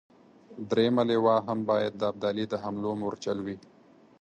درېمه لواء هم باید د ابدالي د حملو مورچل وي.